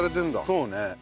そうね。